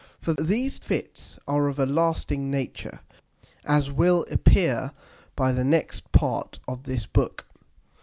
For these Fits are of a lasting nature, as will appear by the next part of this Book.